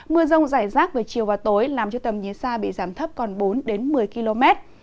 mưa rông rải rác về chiều và tối làm cho tầm nhiệt xa bị giảm thấp còn bốn đến một mươi km